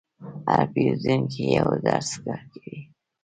هر پیرودونکی یو درس درکوي.